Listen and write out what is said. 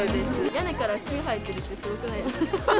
屋根から木が生えてるってすごくないですか。